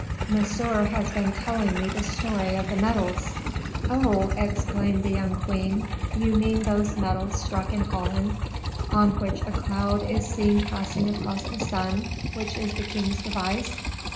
"Monsieur has been telling me the story of the medals." "Oh!" exclaimed the young queen, "you mean those medals struck in Holland, on which a cloud is seen passing across the sun, which is the king's device.